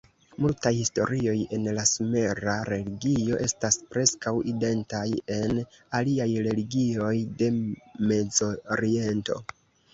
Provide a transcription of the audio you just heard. Multaj historioj en la sumera religio estas preskaŭ identaj en aliaj religioj de Mezoriento.